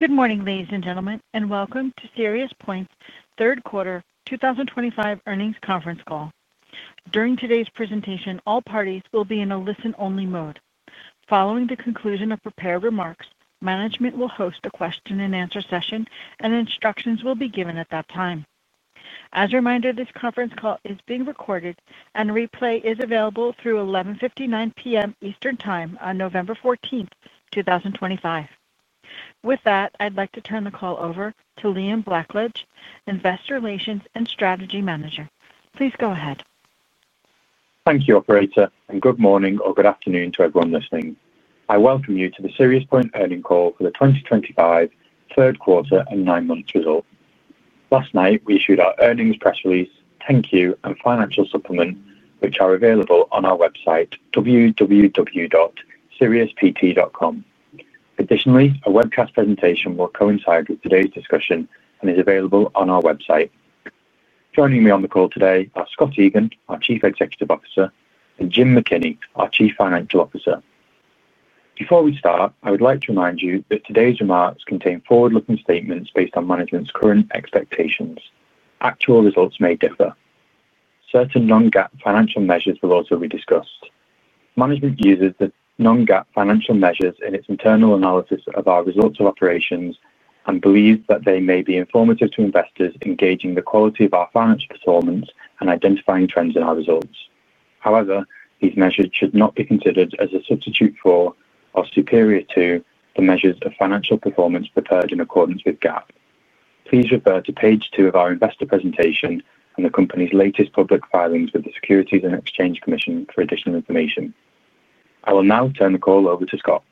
Good morning, ladies and gentlemen, and welcome to SiriusPoint's third quarter 2025 earnings conference call. During today's presentation, all parties will be in a listen-only mode. Following the conclusion of prepared remarks, management will host a question-and-answer session, and instructions will be given at that time. As a reminder, this conference call is being recorded, and replay is available through 11:59 P.M. Eastern Time on November 14th, 2025. With that, I'd like to turn the call over to Liam Blackledge, Investor Relations and Strategy Manager. Please go ahead. Thank you, Operator, and good morning or good afternoon to everyone listening. I welcome you to the SiriusPoint earnings call for the 2025 third quarter and nine-month result. Last night, we issued our earnings press release and financial supplement, which are available on our website, www.siriuspt.com. Additionally, a webcast presentation will coincide with today's discussion and is available on our website. Joining me on the call today are Scott Egan, our Chief Executive Officer, and Jim McKinney, our Chief Financial Officer. Before we start, I would like to remind you that today's remarks contain forward-looking statements based on management's current expectations. Actual results may differ. Certain non-GAAP financial measures will also be discussed. Management uses the non-GAAP financial measures in its internal analysis of our results of operations and believes that they may be informative to investors, gauging the quality of our financial performance and identifying trends in our results. However, these measures should not be considered as a substitute for or superior to the measures of financial performance prepared in accordance with GAAP. Please refer to page two of our investor presentation and the company's latest public filings with the Securities and Exchange Commission for additional information. I will now turn the call over to Scott.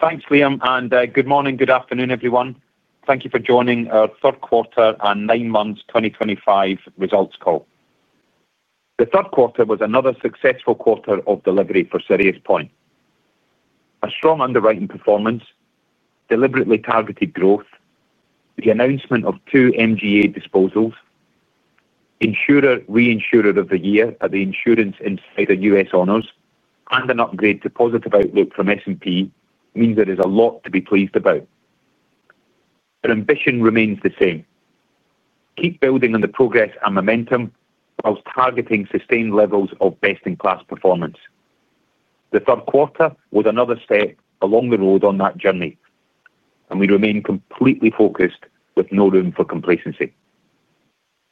Thanks, Liam, and good morning, good afternoon, everyone. Thank you for joining our third quarter and nine-month 2025 results call. The third quarter was another successful quarter of delivery for SiriusPoint. A strong underwriting performance, deliberately targeted growth, the announcement of two MGA disposals, insurer reinsurer of the year at the Insurance Insider US Honors, and an upgrade to positive outlook from S&P means there is a lot to be pleased about. Our ambition remains the same: keep building on the progress and momentum whilst targeting sustained levels of best-in-class performance. The third quarter was another step along the road on that journey, and we remain completely focused, with no room for complacency.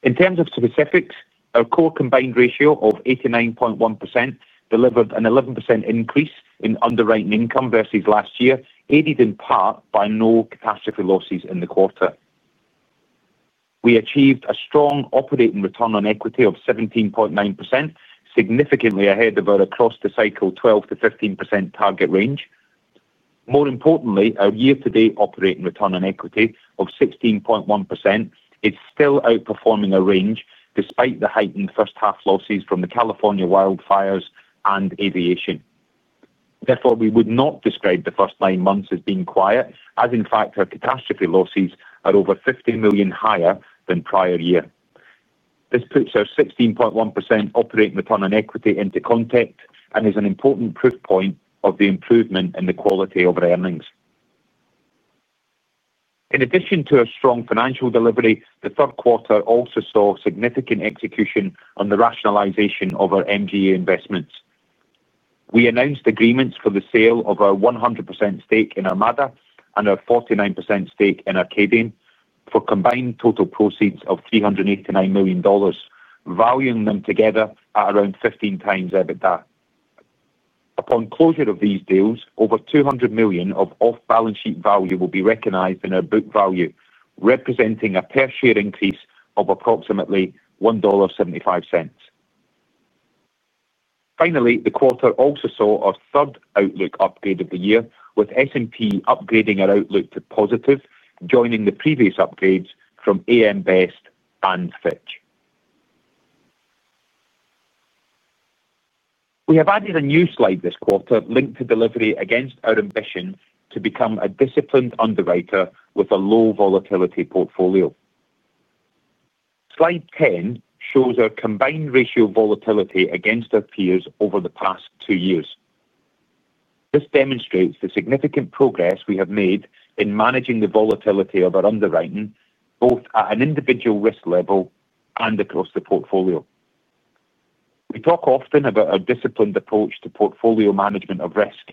In terms of specifics, our core combined ratio of 89.1% delivered an 11% increase in underwriting income versus last year, aided in part by no catastrophe losses in the quarter. We achieved a strong operating Return on Equity of 17.9%, significantly ahead of our across-the-cycle 12%-15% target range. More importantly, our year-to-date operating Return on Equity of 16.1% is still outperforming our range despite the heightened first-half losses from the California wildfires and aviation. Therefore, we would not describe the first nine months as being quiet, as in fact our catastrophe losses are over $15 million higher than prior year. This puts our 16.1% operating Return on Equity into context and is an important proof point of the improvement in the quality of our earnings. In addition to our strong financial delivery, the third quarter also saw significant execution on the rationalization of our MGA investments. We announced agreements for the sale of our 100% stake in Armada and our 49% stake in Arcadian for combined total proceeds of $389 million, valuing them together at around 15x EBITDA. Upon closure of these deals, over $200 million of off-balance sheet value will be recognized in our book value, representing a per-share increase of approximately $1.75. Finally, the quarter also saw our third outlook upgrade of the year, with S&P upgrading our outlook to positive, joining the previous upgrades from AM Best and Fitch. We have added a new slide this quarter linked to delivery against our ambition to become a disciplined underwriter with a low volatility portfolio. Slide 10 shows our combined ratio volatility against our peers over the past two years. This demonstrates the significant progress we have made in managing the volatility of our underwriting, both at an individual risk level and across the portfolio. We talk often about our disciplined approach to portfolio management of risk,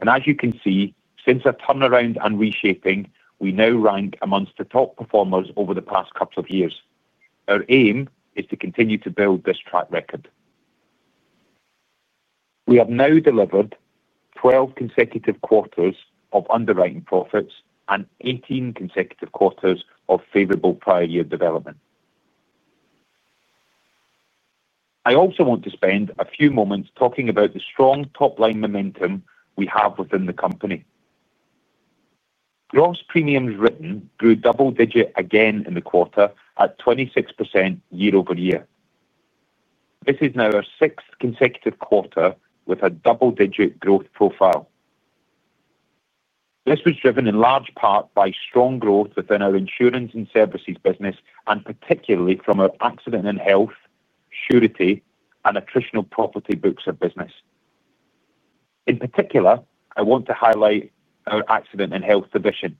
and as you can see, since our turnaround and reshaping, we now rank amongst the top performers over the past couple of years. Our aim is to continue to build this track record. We have now delivered 12 consecutive quarters of underwriting profits and 18 consecutive quarters of favorable prior year development. I also want to spend a few moments talking about the strong top-line momentum we have within the company. Gross premiums written grew double-digit again in the quarter at 26% year-over-year. This is now our sixth consecutive quarter with a double-digit growth profile. This was driven in large part by strong growth within our Insurance & Services business, and particularly from our Accident & Health, Surety, and attritional Property books of business. In particular, I want to highlight our Accident & Health division.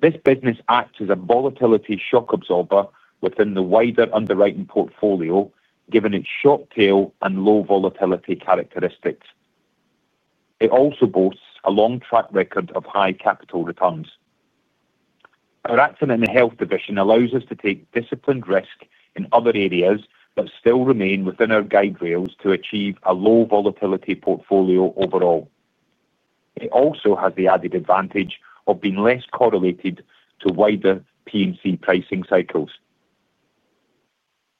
This business acts as a volatility shock absorber within the wider underwriting portfolio, given its short tail and low volatility characteristics. It also boasts a long track record of high capital returns. Our Accident & Health division allows us to take disciplined risk in other areas that still remain within our guide rails to achieve a low volatility portfolio overall. It also has the added advantage of being less correlated to wider P&C pricing cycles.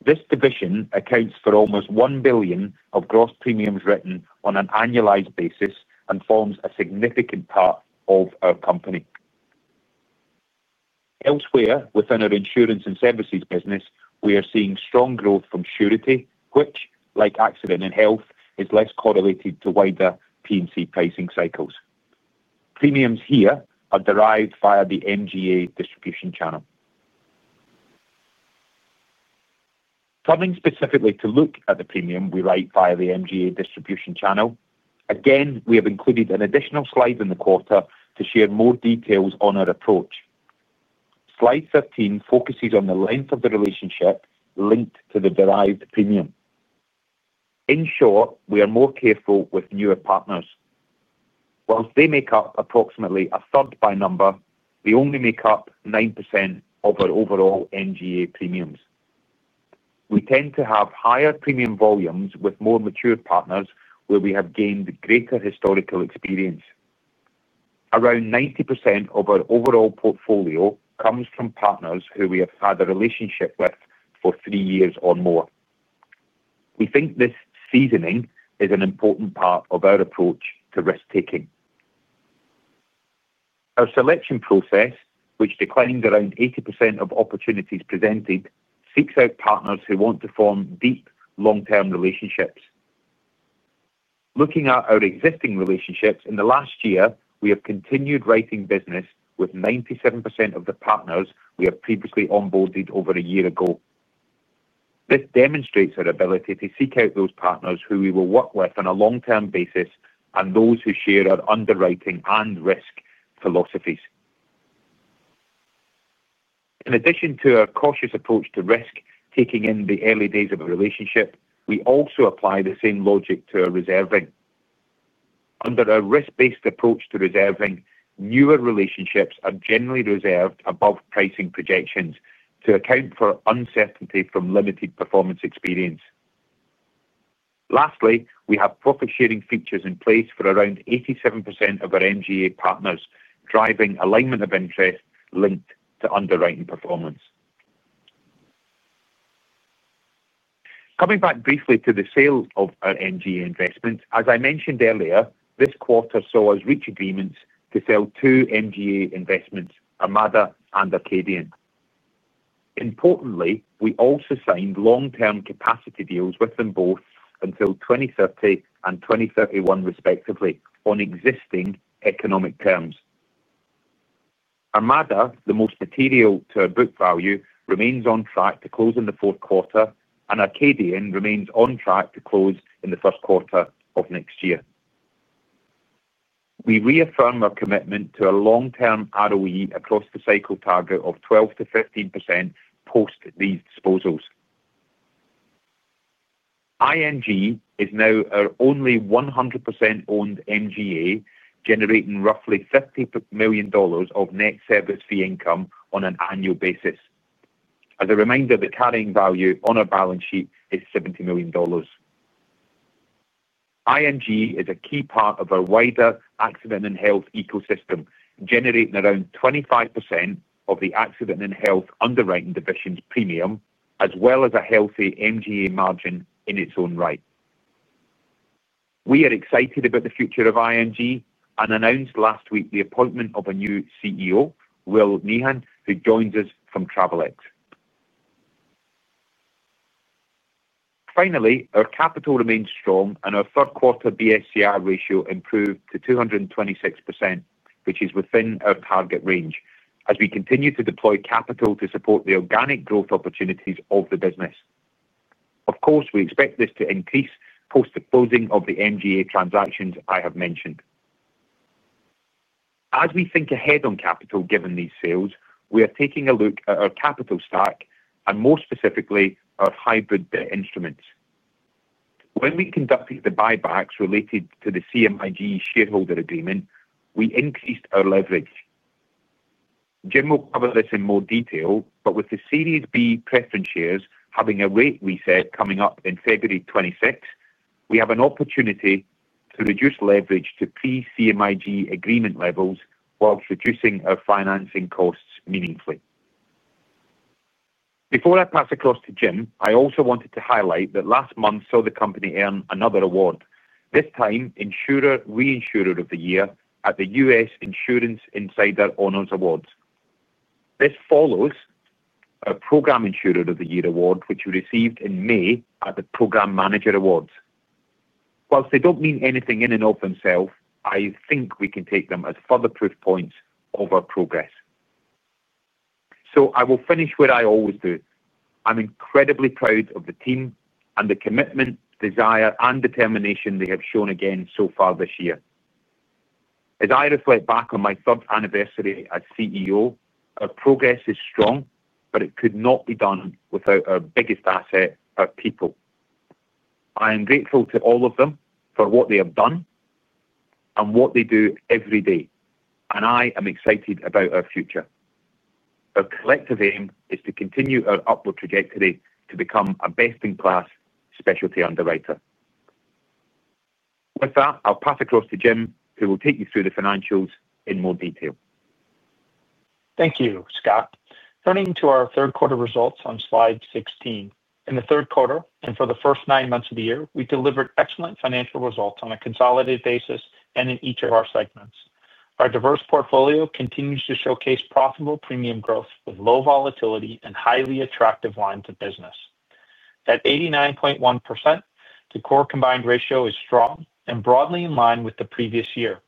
This division accounts for almost $1 billion of gross premiums written on an annualized basis and forms a significant part of our company. Elsewhere within our Insurance & Services business, we are seeing strong growth from Surety, which, like Accident & Health, is less correlated to wider P&C pricing cycles. Premiums here are derived via the MGA distribution channel. Turning specifically to look at the premium we write via the MGA distribution channel, again, we have included an additional slide in the quarter to share more details on our approach. Slide 13 focuses on the length of the relationship linked to the derived premium. In short, we are more careful with newer partners. Whilst they make up approximately a third by number, they only make up 9% of our overall MGA premiums. We tend to have higher premium volumes with more mature partners where we have gained greater historical experience. Around 90% of our overall portfolio comes from partners who we have had a relationship with for three years or more. We think this seasoning is an important part of our approach to risk-taking. Our selection process, which declined around 80% of opportunities presented, seeks out partners who want to form deep long-term relationships. Looking at our existing relationships, in the last year, we have continued writing business with 97% of the partners we have previously onboarded over a year ago. This demonstrates our ability to seek out those partners who we will work with on a long-term basis and those who share our underwriting and risk philosophies. In addition to our cautious approach to risk-taking in the early days of a relationship, we also apply the same logic to our reserving. Under our risk-based approach to reserving, newer relationships are generally reserved above pricing projections to account for uncertainty from limited performance experience. Lastly, we have profit-sharing features in place for around 87% of our MGA partners, driving alignment of interest linked to underwriting performance. Coming back briefly to the sale of our MGA investments, as I mentioned earlier, this quarter saw us reach agreements to sell two MGA investments, Armada and Arcadian. Importantly, we also signed long-term capacity deals with them both until 2030 and 2031, respectively, on existing economic terms. Armada, the most material to our book value, remains on track to close in the fourth quarter, and Arcadian remains on track to close in the first quarter of next year. We reaffirm our commitment to a long-term ROE across the cycle target of 12%-15% post these disposals. IMG is now our only 100% owned MGA, generating roughly $50 million of net service fee income on an annual basis. As a reminder, the carrying value on our balance sheet is $70 million. IMG is a key part of our wider Accident & Health ecosystem, generating around 25% of the Accident & Health underwriting division's premium, as well as a healthy MGA margin in its own right. We are excited about the future of IMG and announced last week the appointment of a new CEO, Will Nihan, who joins us from Travelex. Finally, our capital remains strong, and our third-quarter BSCR ratio improved to 226%, which is within our target range, as we continue to deploy capital to support the organic growth opportunities of the business. Of course, we expect this to increase post the closing of the MGA transactions I have mentioned. As we think ahead on capital given these sales, we are taking a look at our capital stack and, more specifically, our hybrid instruments. When we conducted the buybacks related to the CMIG shareholder agreement, we increased our leverage. Jim will cover this in more detail, but with the Series B preference shares having a rate reset coming up in February 2026, we have an opportunity to reduce leverage to pre-CMIG agreement levels whilst reducing our financing costs meaningfully. Before I pass across to Jim, I also wanted to highlight that last month saw the company earn another award, this time Insurer Reinsurer of the Year at the Insurance Insider US Honors Awards. This follows our Program Insurer of the Year award, which we received in May at the Program Manager Awards. Whilst they don't mean anything in and of themselves, I think we can take them as further proof points of our progress. I will finish where I always do. I'm incredibly proud of the team and the commitment, desire, and determination they have shown again so far this year. As I reflect back on my third anniversary as CEO, our progress is strong, but it could not be done without our biggest asset, our people. I am grateful to all of them for what they have done and what they do every day. I am excited about our future. Our collective aim is to continue our upward trajectory to become a best-in-class specialty underwriter. With that, I'll pass across to Jim, who will take you through the financials in more detail. Thank you, Scott. Turning to our third-quarter results on slide 16. In the third quarter and for the first nine months of the year, we delivered excellent financial results on a consolidated basis and in each of our segments. Our diverse portfolio continues to showcase profitable premium growth with low volatility and highly attractive lines of business. At 89.1%, the core combined ratio is strong and broadly in line with the previous year.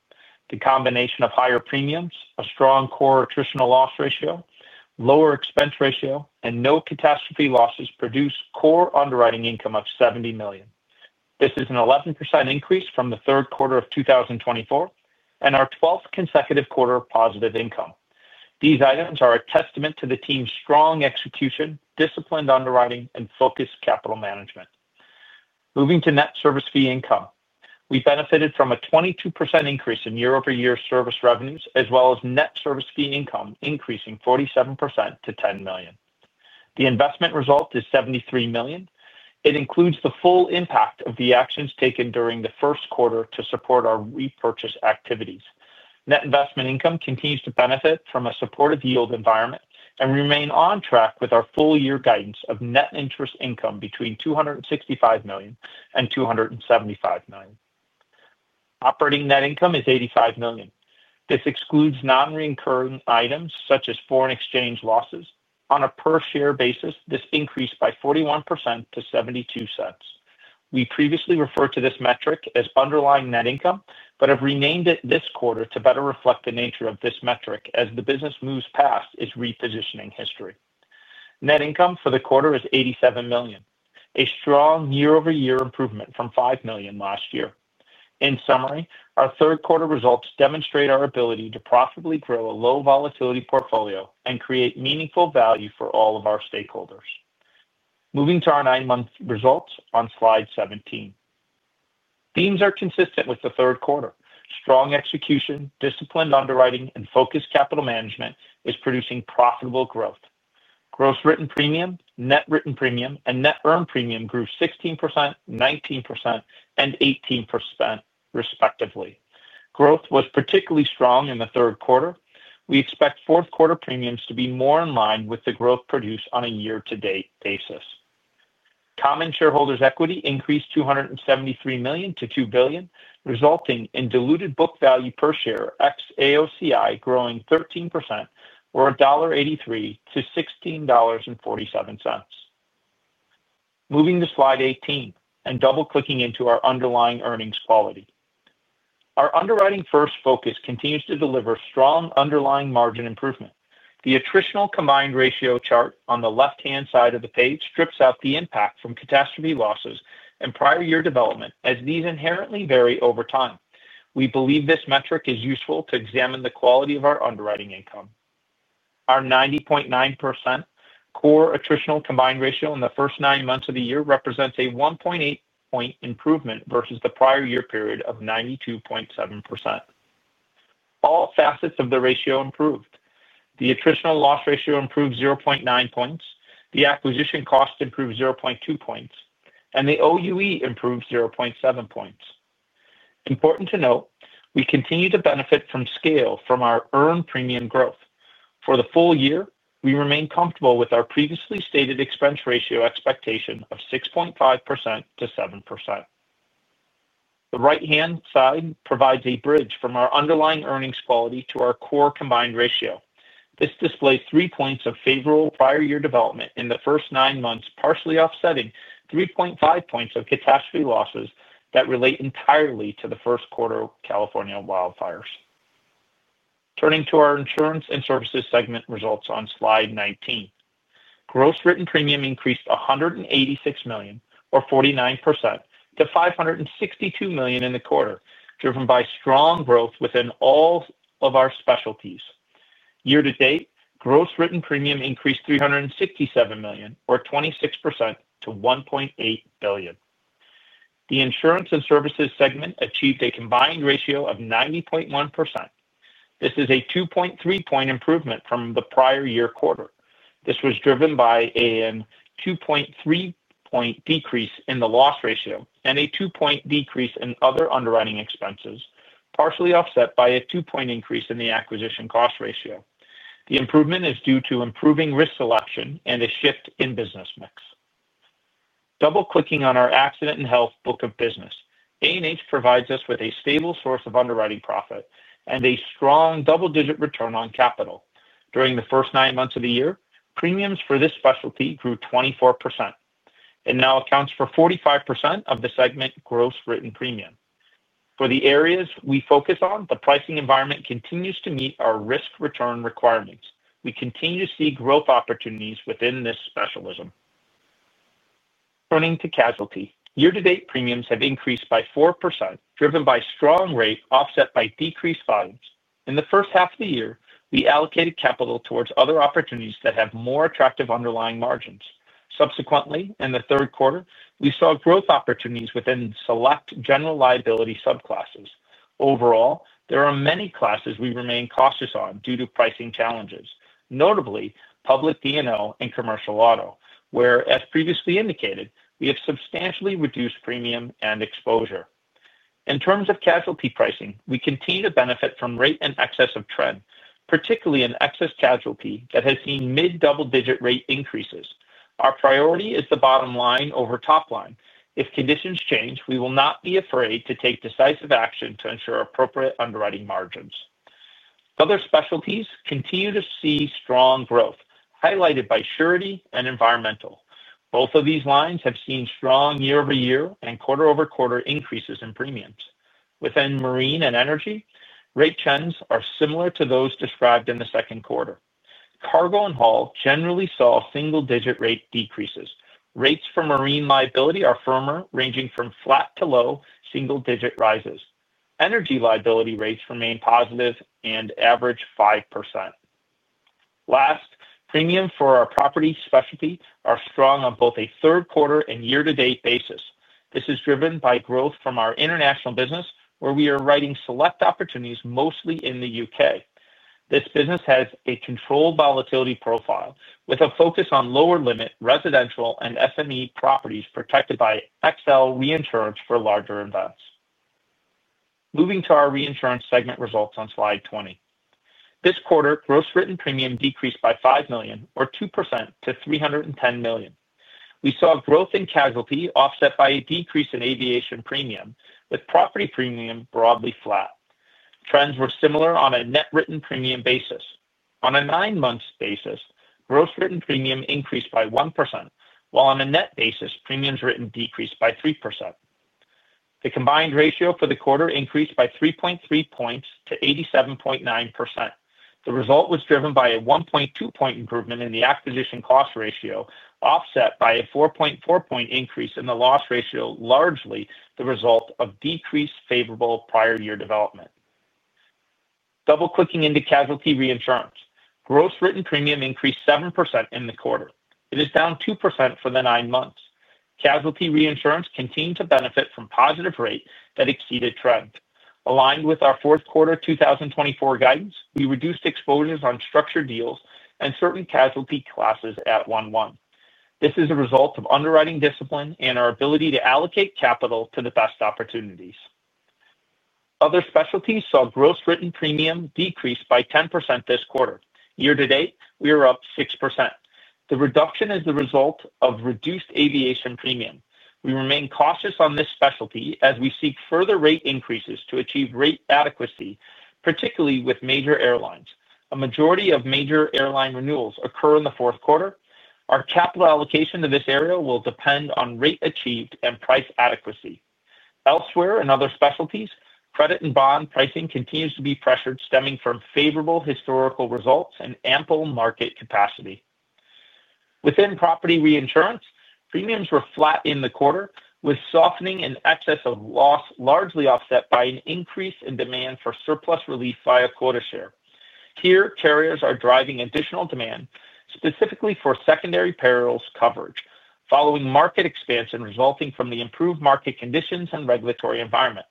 The combination of higher premiums, a strong core attritional loss ratio, lower expense ratio, and no catastrophe losses produced core underwriting income of $70 million. This is an 11% increase from the third quarter of 2024 and our 12th consecutive quarter of positive income. These items are a testament to the team's strong execution, disciplined underwriting, and focused capital management. Moving to net service fee income, we benefited from a 22% increase in year-over-year service revenues, as well as net service fee income increasing 47% to $10 million. The investment result is $73 million. It includes the full impact of the actions taken during the first quarter to support our repurchase activities. Net investment income continues to benefit from a supportive yield environment and remains on track with our full-year guidance of net interest income between $265 million-$275 million. Operating net income is $85 million. This excludes non-recurring items such as foreign exchange losses. On a per-share basis, this increased by 41% to $0.72. We previously referred to this metric as underlying net income but have renamed it this quarter to better reflect the nature of this metric as the business moves past its repositioning history. Net income for the quarter is $87 million, a strong year-over-year improvement from $5 million last year. In summary, our third-quarter results demonstrate our ability to profitably grow a low-volatility portfolio and create meaningful value for all of our stakeholders. Moving to our nine-month results on slide 17. Themes are consistent with the third quarter. Strong execution, disciplined underwriting, and focused capital management are producing profitable growth. Gross written premium, net written premium, and net earned premium grew 16%, 19%, and 18%, respectively. Growth was particularly strong in the third quarter. We expect fourth-quarter premiums to be more in line with the growth produced on a year-to-date basis. Common shareholders' equity increased $273 million to $2 billion, resulting in diluted book value per share, ex AOCI, growing 13%, or $1.83 to $16.47. Moving to slide 18 and double-clicking into our underlying earnings quality. Our underwriting-first focus continues to deliver strong underlying margin improvement. The attritional combined ratio chart on the left-hand side of the page strips out the impact from catastrophe losses and prior year development, as these inherently vary over time. We believe this metric is useful to examine the quality of our underwriting income. Our 90.9% core attritional combined ratio in the first nine months of the year represents a 1.8-point improvement versus the prior year period of 92.7%. All facets of the ratio improved. The attritional loss ratio improved 0.9 points, the acquisition cost improved 0.2 points, and the OUE improved 0.7 points. Important to note, we continue to benefit from scale from our earned premium growth. For the full year, we remain comfortable with our previously stated expense ratio expectation of 6.5%-7%. The right-hand side provides a bridge from our underlying earnings quality to our core combined ratio. This displays 3 points of favorable prior year development in the first nine months, partially offsetting 3.5 points of catastrophe losses that relate entirely to the first quarter of California wildfires. Turning to our Insurance & Services segment results on slide 19. Gross written premium increased $186 million, or 49%, to $562 million in the quarter, driven by strong growth within all of our specialties. Year-to-date, gross written premium increased $367 million, or 26%, to $1.8 billion. The Insurance & Services segment achieved a combined ratio of 90.1%. This is a 2.3-point improvement from the prior year quarter. This was driven by a 2.3-point decrease in the loss ratio and a 2-point decrease in other underwriting expenses, partially offset by a 2-point increase in the acquisition cost ratio. The improvement is due to improving risk selection and a shift in business mix. Double-clicking on our Accident & Health book Accident & Health provides us with a stable source of underwriting profit and a strong double-digit return on capital. During the first nine months of the year, premiums for this specialty grew 24%. It now accounts for 45% of the segment gross written premium. For the areas we focus on, the pricing environment continues to meet our risk-return requirements. We continue to see growth opportunities within this specialism. Turning to casualty, year-to-date premiums have increased by 4%, driven by strong rate offset by decreased volumes. In the first half of the year, we allocated capital towards other opportunities that have more attractive underlying margins. Subsequently, in the third quarter, we saw growth opportunities within select general liability subclasses. Overall, there are many classes we remain cautious on due to pricing challenges, notably public D&O and commercial auto, where, as previously indicated, we have substantially reduced premium and exposure. In terms of casualty pricing, we continue to benefit from rate and excess of trend, particularly in excess casualty that has seen mid-double-digit rate increases. Our priority is the bottom line over top line. If conditions change, we will not be afraid to take decisive action to ensure appropriate underwriting margins. Other specialties continue to see strong growth, highlighted by Surety and Environmental. Both of these lines have seen strong year-over-year and quarter-over-quarter increases in premiums. Within marine and energy, rate trends are similar to those described in the second quarter. Cargo and haul generally saw single-digit rate decreases. Rates for marine liability are firmer, ranging from flat to low single-digit rises. Energy liability rates remain positive and average 5%. Last, premium for our property specialty are strong on both a third-quarter and year-to-date basis. This is driven by growth from our international business, where we are writing select opportunities mostly in the U.K. This business has a controlled volatility profile with a focus on lower-limit residential and SME properties protected by XL reinsurance for larger events. Moving to our reinsurance segment results on slide 20. This quarter, gross written premium decreased by $5 million, or 2%, to $310 million. We saw growth in casualty offset by a decrease in aviation premium, with property premium broadly flat. Trends were similar on a net written premium basis. On a nine-month basis, gross written premium increased by 1%, while on a net basis, premiums written decreased by 3%. The combined ratio for the quarter increased by 3.3 points to 87.9%. The result was driven by a 1.2-point improvement in the acquisition cost ratio, offset by a 4.4-point increase in the loss ratio, largely the result of decreased favorable prior year development. Double-clicking into casualty reinsurance, gross written premium increased 7% in the quarter. It is down 2% for the nine months. Casualty reinsurance continued to benefit from positive rate that exceeded trend. Aligned with our fourth quarter 2024 guidance, we reduced exposures on structured deals and certain casualty classes at 1-1. This is a result of underwriting discipline and our ability to allocate capital to the best opportunities. Other specialties saw gross written premium decrease by 10% this quarter. Year-to-date, we are up 6%. The reduction is the result of reduced aviation premium. We remain cautious on this specialty as we seek further rate increases to achieve rate adequacy, particularly with major airlines. A majority of major airline renewals occur in the fourth quarter. Our capital allocation to this area will depend on rate achieved and price adequacy. Elsewhere in other specialties, credit and bond pricing continues to be pressured, stemming from favorable historical results and ample market capacity. Within property reinsurance, premiums were flat in the quarter, with softening in excess of loss largely offset by an increase in demand for surplus relief via quota share. Here, carriers are driving additional demand, specifically for secondary perils coverage, following market expansion resulting from the improved market conditions and regulatory environment.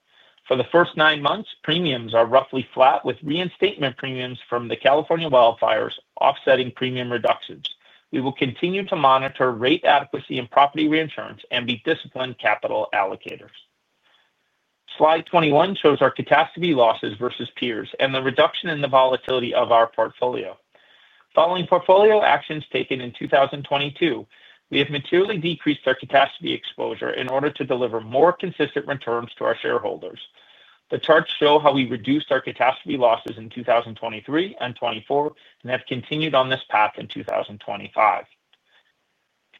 For the first nine months, premiums are roughly flat, with reinstatement premiums from the California wildfires offsetting premium reductions. We will continue to monitor rate adequacy in property reinsurance and be disciplined capital allocators. Slide 21 shows our catastrophe losses versus peers and the reduction in the volatility of our portfolio. Following portfolio actions taken in 2022, we have materially decreased our catastrophe exposure in order to deliver more consistent returns to our shareholders. The charts show how we reduced our catastrophe losses in 2023 and 2024 and have continued on this path in 2025.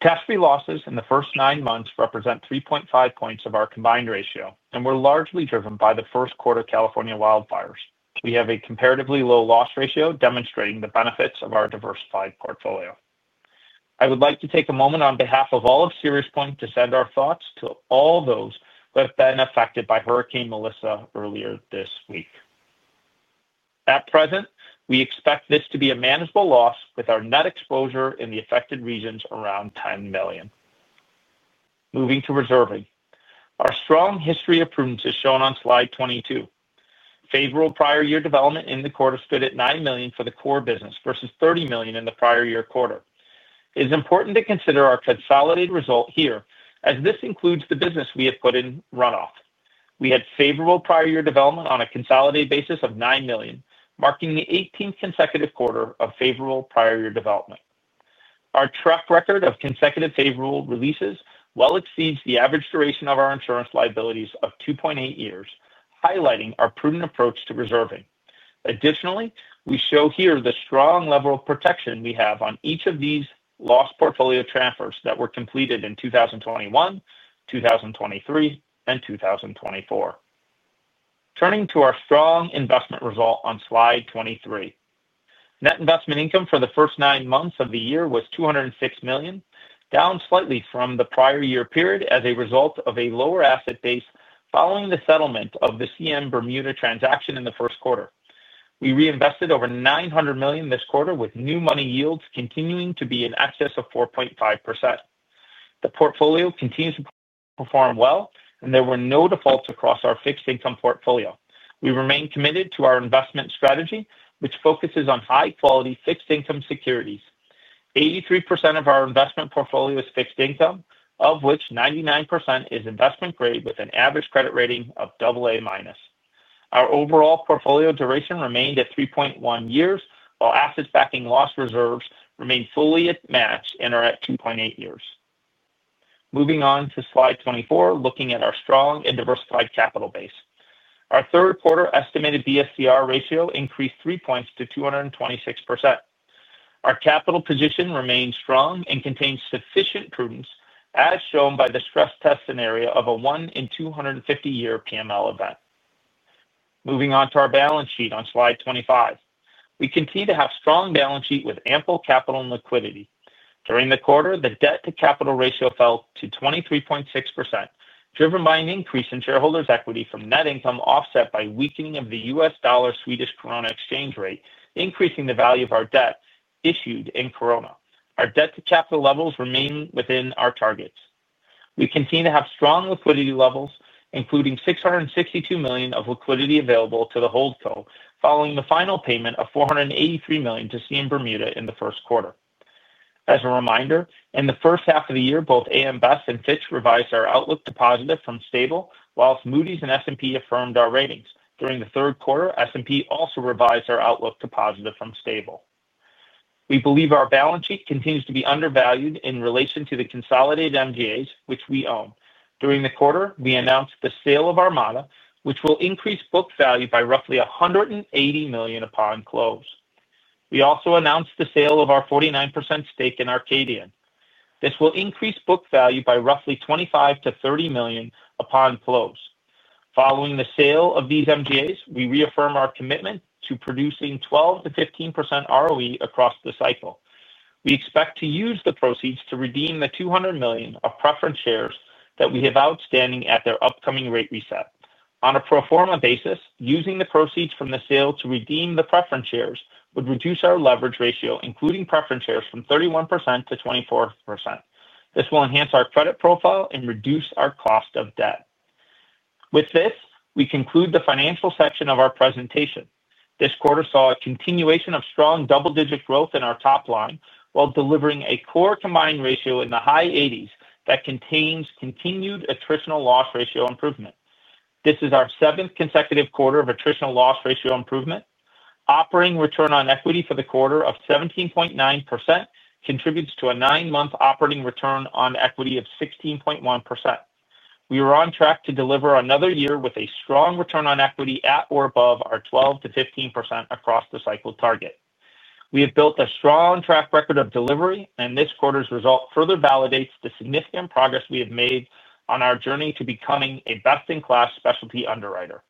Catastrophe losses in the first nine months represent 3.5 points of our combined ratio and were largely driven by the first quarter California wildfires. We have a comparatively low loss ratio, demonstrating the benefits of our diversified portfolio. I would like to take a moment on behalf of all of SiriusPoint to send our thoughts to all those who have been affected by Hurricane Melissa earlier this week. At present, we expect this to be a manageable loss with our net exposure in the affected regions around $10 million. Moving to reserving. Our strong history of prudence is shown on slide 22. Favorable prior year development in the quarter stood at $9 million for the core business versus $30 million in the prior year quarter. It is important to consider our consolidated result here, as this includes the business we have put in runoff. We had favorable prior year development on a consolidated basis of $9 million, marking the 18th consecutive quarter of favorable prior year development. Our track record of consecutive favorable releases well exceeds the average duration of our insurance liabilities of 2.8 years, highlighting our prudent approach to reserving. Additionally, we show here the strong level of protection we have on each of these loss portfolio transfers that were completed in 2021, 2023, and 2024. Turning to our strong investment result on slide 23. Net investment income for the first nine months of the year was $206 million, down slightly from the prior year period as a result of a lower asset base following the settlement of the CM Bermuda transaction in the first quarter. We reinvested over $900 million this quarter, with new money yields continuing to be in excess of 4.5%. The portfolio continues to perform well, and there were no defaults across our fixed income portfolio. We remain committed to our investment strategy, which focuses on high-quality fixed income securities. 83% of our investment portfolio is fixed income, of which 99% is investment grade, with an average credit rating of AA-. Our overall portfolio duration remained at 3.1 years, while asset backing loss reserves remain fully matched and are at 2.8 years. Moving on to slide 24, looking at our strong and diversified capital base. Our third quarter estimated BSCR ratio increased 3 points to 226%. Our capital position remains strong and contains sufficient prudence, as shown by the stress test scenario of a 1 in 250-year PML event. Moving on to our balance sheet on slide 25. We continue to have a strong balance sheet with ample capital and liquidity. During the quarter, the debt-to-capital ratio fell to 23.6%, driven by an increase in shareholders' equity from net income offset by weakening of the U.S. dollar-Swedish krona exchange rate, increasing the value of our debt issued in krona. Our debt-to-capital levels remain within our targets. We continue to have strong liquidity levels, including $662 million of liquidity available to the holdco, following the final payment of $483 million to CM Bermuda in the first quarter. As a reminder, in the first half of the year, both AM Best and Fitch revised our outlook to positive from stable, whilst Moody's and S&P affirmed our ratings. During the third quarter, S&P also revised our outlook to positive from stable. We believe our balance sheet continues to be undervalued in relation to the consolidated MGAs, which we own. During the quarter, we announced the sale of Armada, which will increase book value by roughly $180 million upon close. We also announced the sale of our 49% stake in Arcadian. This will increase book value by roughly $25 million to $30 million upon close. Following the sale of these MGAs, we reaffirm our commitment to producing 12%-15% ROE across the cycle. We expect to use the proceeds to redeem the $200 million of preference shares that we have outstanding at their upcoming rate reset. On a pro forma basis, using the proceeds from the sale to redeem the preference shares would reduce our leverage ratio, including preference shares, from 31% to 24%. This will enhance our credit profile and reduce our cost of debt. With this, we conclude the financial section of our presentation. This quarter saw a continuation of strong double-digit growth in our top line while delivering a core combined ratio in the high 80s that contains continued attritional loss ratio improvement. This is our seventh consecutive quarter of attritional loss ratio improvement. Operating Return on Equity for the quarter of 17.9% contributes to a nine-month Operating Return on Equity of 16.1%. We are on track to deliver another year with a strong Return on Equity at or above our 12%-15% across the cycle target. We have built a strong track record of delivery, and this quarter's result further validates the significant progress we have made on our journey to becoming a best-in-class specialty underwriter.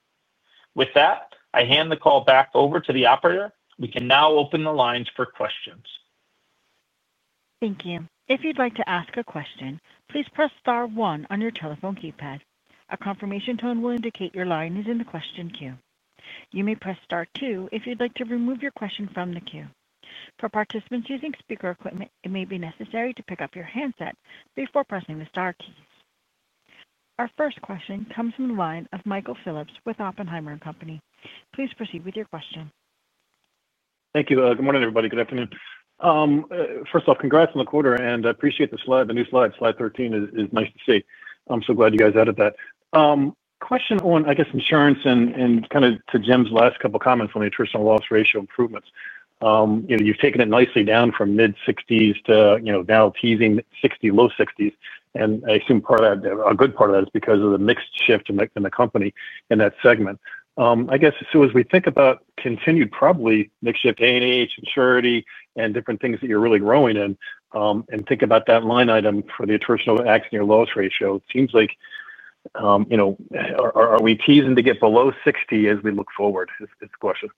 With that, I hand the call back over to the operator. We can now open the lines for questions. Thank you. If you'd like to ask a question, please press star one on your telephone keypad. A confirmation tone will indicate your line is in the question queue. You may press star two if you'd like to remove your question from the queue. For participants using speaker equipment, it may be necessary to pick up your handset before pressing the star keys. Our first question comes from the line of Michael Phillips with Oppenheimer & Company. Please proceed with your question. Thank you. Good morning, everybody. Good afternoon. First off, congrats on the quarter, and I appreciate the new slide. Slide 13 is nice to see. I'm so glad you guys added that. Question on, I guess, insurance and kind of to Jim's last couple of comments on the attritional loss ratio improvements. You've taken it nicely down from mid-60s to now teasing 60, low 60s. I assume a good part of that is because of the mix shift in the company in that segment. I guess, as we think about continued probably mix Accident & Health, insurity, and different things that you're really growing in, and think about that line item for the attritional action or loss ratio, it seems like. Are we teasing to get below 60 as we look forward? It's a question.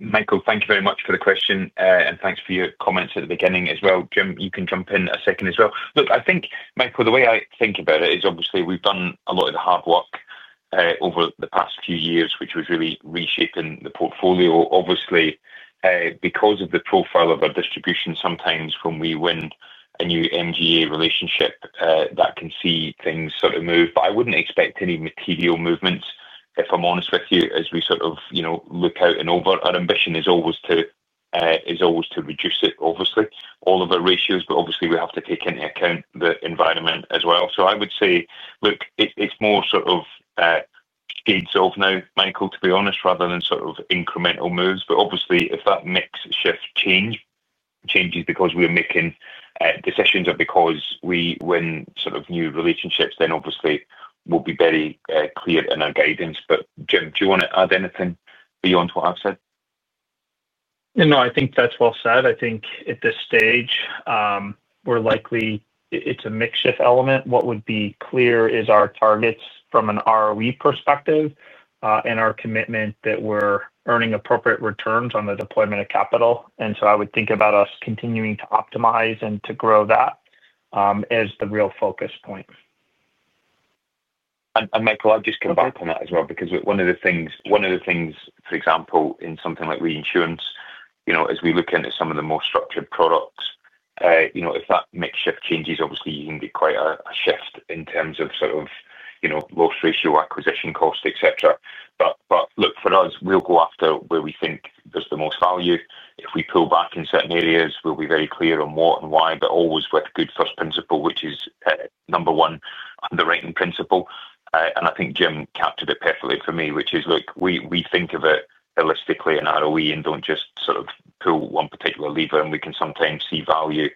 Michael, thank you very much for the question, and thanks for your comments at the beginning as well. Jim, you can jump in a second as well. Look, I think, Michael, the way I think about it is obviously we've done a lot of the hard work over the past few years, which was really reshaping the portfolio. Obviously, because of the profile of our distribution, sometimes when we win a new MGA relationship, that can see things sort of move. I wouldn't expect any material movements, if I'm honest with you, as we sort of look out and over. Our ambition is always to reduce it, obviously, all of our ratios, but obviously, we have to take into account the environment as well. I would say, look, it's more sort of shades of now, Michael, to be honest, rather than sort of incremental moves. Obviously, if that mix shift changes because we're making decisions or because we win sort of new relationships, then we'll be very clear in our guidance. Jim, do you want to add anything beyond what I've said? No, I think that's well said. I think at this stage, it's a mix shift element. What would be clear is our targets from an ROE perspective and our commitment that we're earning appropriate returns on the deployment of capital. I would think about us continuing to optimize and to grow that as the real focus point. Michael, I'll just come back. I'll comment on that as well, because one of the things, for example, in something like reinsurance, as we look into some of the more structured products, if that mix shift changes, you can get quite a shift in terms of sort of loss ratio, acquisition cost, etc. For us, we'll go after where we think there's the most value. If we pull back in certain areas, we'll be very clear on what and why, but always with good first principle, which is number one, the right principle. I think Jim captured it perfectly for me, which is, look, we think of it holistically and ROE and don't just sort of pull one particular lever. We can sometimes see value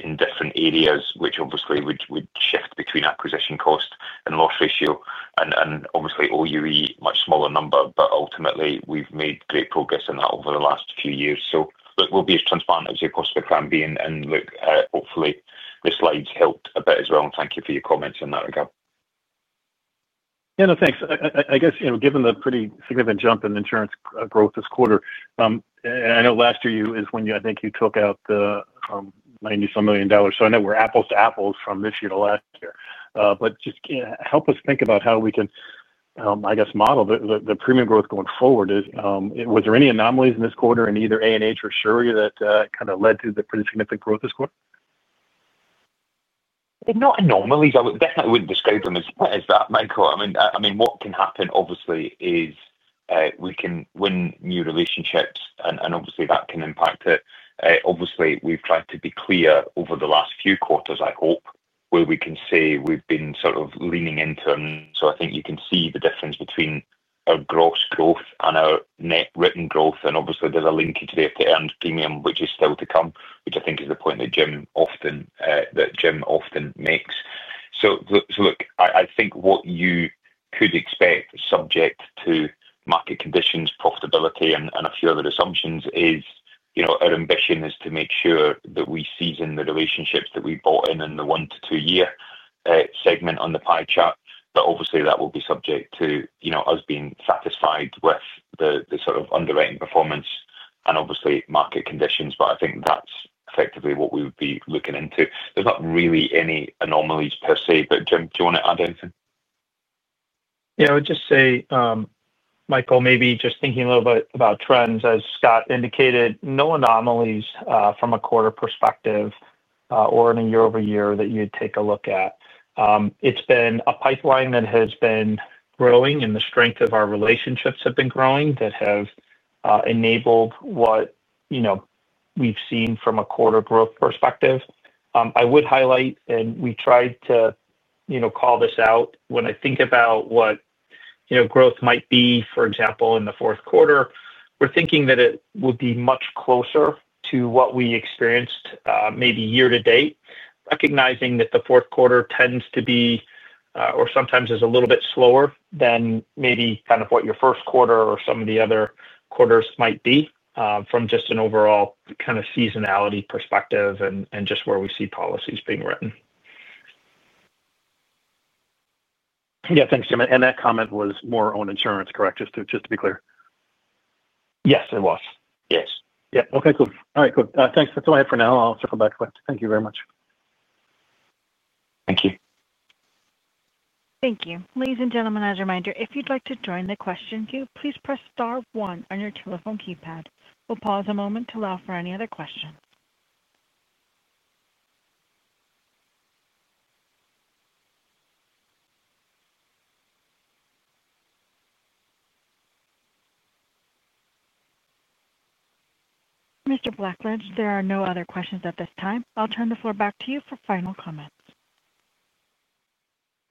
in different areas, which would shift between acquisition cost and loss ratio. Obviously, OUE, much smaller number, but ultimately, we've made great progress in that over the last few years. We'll be as transparent as your cost of the plan being. Hopefully, this slide's helped a bit as well. Thank you for your comments in that regard. Yeah, no, thanks. I guess, given the pretty significant jump in insurance growth this quarter. I know last year is when I think you took out the $90-some million. I know we're apples-to-apples from this year to last year. Just help us think about how we can, I guess, model the premium growth going forward. Was there any anomalies in either A&H or Surety that kind of led to the pretty significant growth this quarter? Not anomalies. I wouldn't describe them as that, Michael. What can happen, obviously, is we can win new relationships, and obviously, that can impact it. We've tried to be clear over the last few quarters, I hope, where we can say we've been sort of leaning into. I think you can see the difference between our gross growth and our net written growth. There's a linkage there to earned premium, which is still to come, which I think is the point that Jim often makes. Look, I think what you could expect, subject to market conditions, profitability, and a few other assumptions, is our ambition is to make sure that we season the relationships that we brought in in the one to two-year segment on the pie chart. That will be subject to us being satisfied with the sort of underwriting performance and market conditions. I think that's effectively what we would be looking into. There's not really any anomalies per se. Jim, do you want to add anything? Yeah, I would just say, Michael, maybe just thinking a little bit about trends, as Scott indicated, no anomalies from a quarter perspective or in a year-over-year that you'd take a look at. It's been a pipeline that has been growing, and the strength of our relationships have been growing that have enabled what we've seen from a quarter growth perspective. I would highlight, and we tried to call this out when I think about what growth might be, for example, in the fourth quarter, we're thinking that it would be much closer to what we experienced maybe year to date, recognizing that the fourth quarter tends to be, or sometimes is, a little bit slower than maybe kind of what your first quarter or some of the other quarters might be from just an overall kind of seasonality perspective and just where we see policies being written. Yeah, thanks, Jim. That comment was more on insurance, correct? Just to be clear. Yes, it was. Yes. Yep. Okay, cool. All right, cool. Thanks. That's all I have for now. I'll circle back with it. Thank you very much. Thank you. Thank you. Ladies and gentlemen, as a reminder, if you'd like to join the question queue, please press star one on your telephone keypad. We'll pause a moment to allow for any other questions. Mr. Blackledge, there are no other questions at this time. I'll turn the floor back to you for final comments.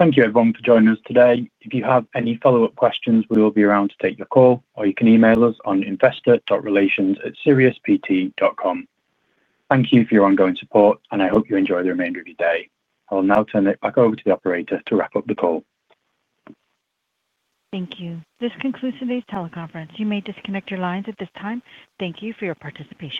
Thank you everyone for joining us today. If you have any follow-up questions, we will be around to take your call, or you can email us on investor.relations@siriuspt.com. Thank you for your ongoing support, and I hope you enjoy the remainder of your day. I will now turn it back over to the operator to wrap up the call. Thank you. This concludes today's teleconference. You may disconnect your lines at this time. Thank you for your participation.